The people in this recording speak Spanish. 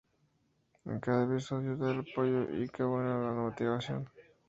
En cada episodio, da el apoyo y que bueno la motivación.